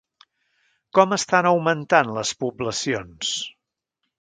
Com estan augmentant les poblacions?